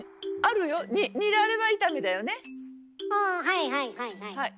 はいはいはいはい。